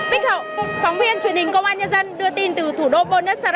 bích hậu phóng viên truyền hình công an nhân dân đưa tin từ thủ đô buenos aires argentina